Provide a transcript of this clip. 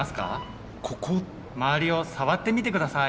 周りを触ってみて下さい。